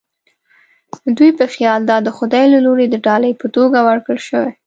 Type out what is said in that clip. دوی په خیال دا د خدای له لوري د ډالۍ په توګه ورکړل شوې.